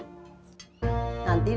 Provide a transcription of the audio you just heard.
nanti nenek berangkat berenang sendiri